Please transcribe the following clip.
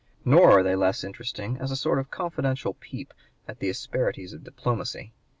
Nor are they less interesting as a sort of confidential peep at the asperities of diplomacy.